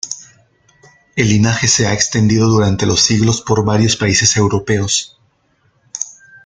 El linaje se ha extendido durante los siglos por varios países europeos.